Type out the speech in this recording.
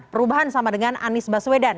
perubahan sama dengan anies baswedan